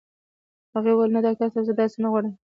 هغې وويل نه ډاکټر صاحب زه داسې نه غواړم.